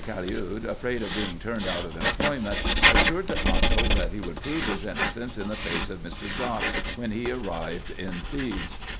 Caliud, afraid of being turned out of employment, assured the consul, that he would prove his innocence in the face IN EGYPT, NUBIA, &c 249 of Mr. Jaques, when he arrived in Thebes.